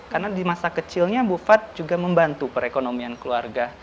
karena di masa kecilnya bufat juga membantu perekonomian keluarga